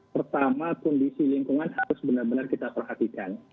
pertama kondisi lingkungan harus benar benar kita perhatikan